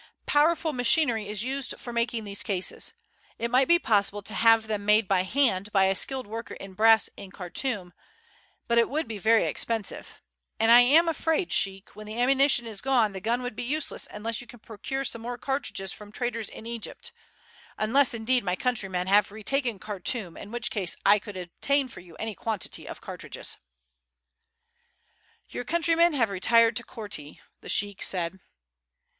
Powerful machinery is used for making these cases. It might be possible to have them made by hand by a skilled worker in brass in Khartoum, but it would be very expensive, and I am afraid, sheik, when the ammunition is gone the gun would be useless unless you can procure some more cartridges from traders in Egypt; unless, indeed, my countrymen have retaken Khartoum, in which case I could obtain for you any quantity of cartridges." "Your countrymen have retired to Korti," the sheik said.